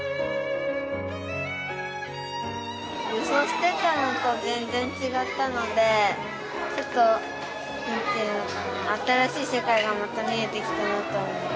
予想していたのと全然違ったのでちょっとなんていうのかな新しい世界がまた見えてきたなと思う。